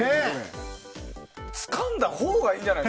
つかんだほうがいいんじゃない？